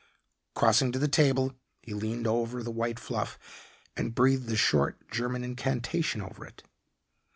Crossing to the table, he leaned over the white fluff and breathed the short German incantation over it.